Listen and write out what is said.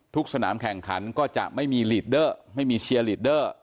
สนามแข่งขันก็จะไม่มีลีดเดอร์ไม่มีเชียร์ลีดเดอร์